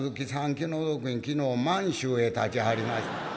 気の毒に昨日満州へたちはりました」。